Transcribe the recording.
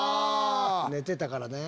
寝てたからね。